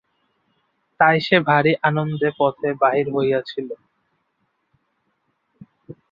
তাই সে ভারি আনন্দে পথে বাহির হইয়াছিল।